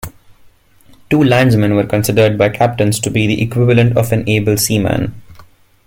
Two landsmen were considered by captains to be the equivalent of an able seaman.